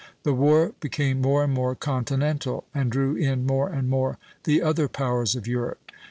The war became more and more continental, and drew in more and more the other powers of Europe.